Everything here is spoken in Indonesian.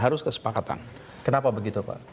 harus kesepakatan kenapa begitu pak